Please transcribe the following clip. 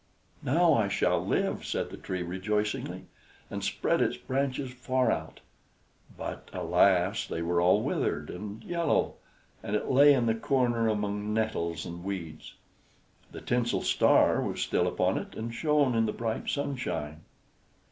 "Now I shall live!" said the Tree, rejoicingly, and spread its branches far out; but, alas! they were all withered and yellow; and it lay in the corner among nettles and weeds. The tinsel star was still upon it, and shone in the bright sunshine.